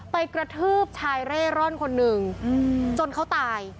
กระทืบชายเร่ร่อนคนหนึ่งจนเขาตาย